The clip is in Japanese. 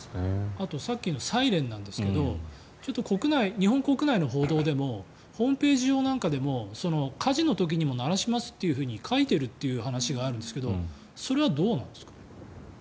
あとさっきのサイレンですが日本国内の報道でもホームページ上なんかでも火事の時にも鳴らしますと書いているという話があるんですがそれはどうなんですか？